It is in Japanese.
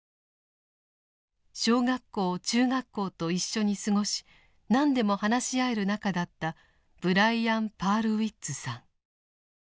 小学校中学校と一緒に過ごし何でも話し合える仲だったブライアン・パールウイッツさん。